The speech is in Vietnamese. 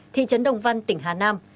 thị trấn đồng văn tỉnh hà nam